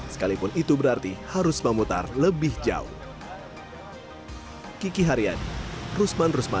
sekalipun itu berarti harus memutar lebih jauh